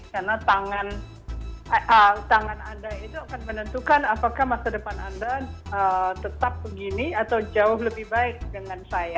karena tangan anda itu akan menentukan apakah masa depan anda tetap begini atau jauh lebih baik dengan saya